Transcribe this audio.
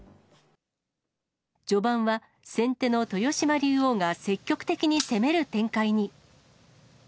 序盤は、先手の豊島竜王が積極的に攻める展開に。